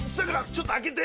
ちょっと開けて。